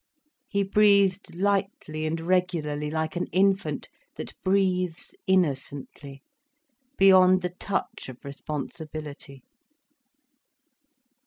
He breathed lightly and regularly like an infant, that breathes innocently, beyond the touch of responsibility.